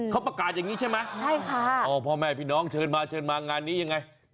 เขาประกาศอย่างนี้ใช่ไหมใช่ค่ะอ๋อพ่อแม่พี่น้องเชิญมาเชิญมางานนี้ยังไง